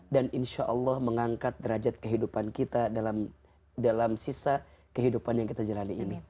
dan insya allah mengangkat derajat kehidupan kita dalam sisa kehidupan yang kita jalani ini